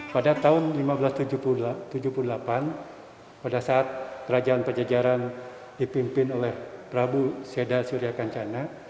pada tahun seribu lima ratus tujuh puluh delapan pada saat kerajaan pajajaran dipimpin oleh prabu seda surya kancana